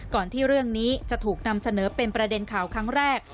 ที่เรื่องนี้จะถูกนำเสนอเป็นประเด็นข่าวครั้งแรก